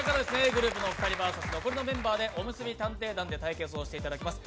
ｇｒｏｕｐのお二人ＶＳ、残りのメンバーで「おむすび探偵団」で対決をしていただきます。